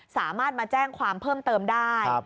สามารถมาแจ้งความเพิ่มเติมได้